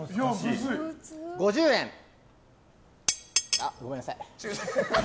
あ、ごめんなさい。